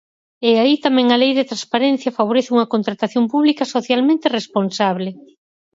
E aí tamén a Lei de transparencia favorece unha contratación pública socialmente responsable.